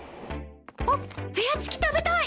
あっフェアチキ食べたい！